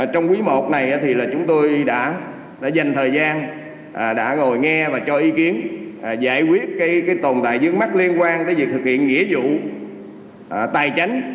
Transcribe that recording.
tồn tại dưới mắt liên quan tới việc thực hiện nghĩa vụ tài chánh